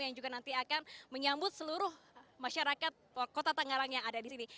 yang juga nanti akan menyambut seluruh masyarakat kota tangerang yang ada di sini